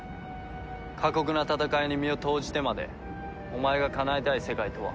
過酷な戦いに身を投じてまでお前がかなえたい世界とは？